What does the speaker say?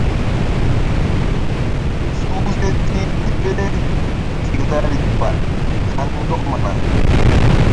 Suhze ti tipele tiklari ba haŋ ndɔk mana.